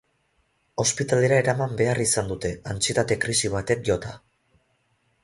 Ospitalera eraman behar izan dute, antsietate krisi batek jota.